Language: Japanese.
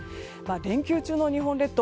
連休中の日本列島